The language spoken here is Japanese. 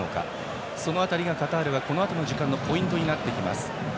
その辺りがカタールはこのあとの時間のポイントになってきます。